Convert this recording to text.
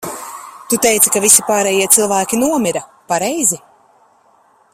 Tu teici, ka visi pārējie cilvēki nomira, pareizi?